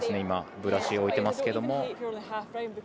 ブラシを置いてますけども。